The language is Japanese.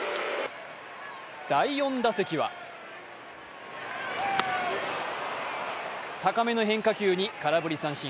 第４打席は高めの変化球に空振り三振。